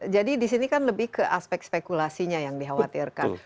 jadi di sini kan lebih ke aspek spekulasinya yang dikhawatirkan